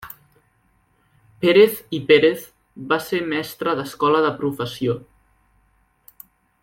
Pérez i Pérez va ser mestre d'escola de professió.